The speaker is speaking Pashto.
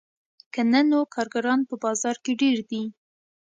که نه نو کارګران په بازار کې ډېر دي